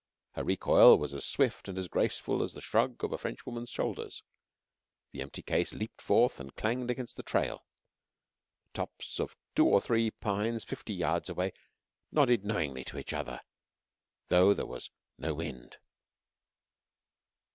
Her recoil was as swift and as graceful as the shrug of a French woman's shoulders; the empty case leaped forth and clanged against the trail; the tops of two or three pines fifty yards away nodded knowingly to each other, though there was no wind.